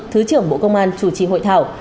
thứ trưởng bộ công an chủ trí hội thảo